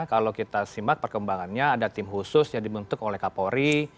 kalau kita simak perkembangannya ada tim khusus yang dibentuk oleh kapolri